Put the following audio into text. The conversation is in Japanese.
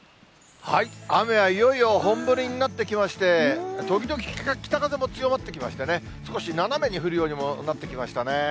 雨はいよいよ本降りになってきまして、時々北風も強まってきましたね、少し斜めに降るようにもなってきましたね。